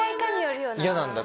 嫌なんだ？